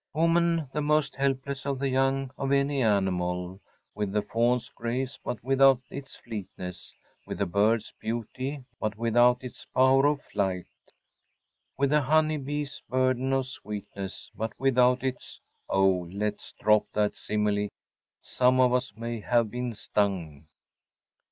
Woman, the most helpless of the young of any animal‚ÄĒwith the fawn’s grace but without its fleetness; with the bird’s beauty but without its power of flight; with the honey bee’s burden of sweetness but without its‚ÄĒOh, let’s drop that simile‚ÄĒsome of us may have been stung.